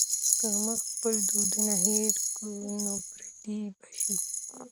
که موږ خپل دودونه هېر کړو نو پردي به شو.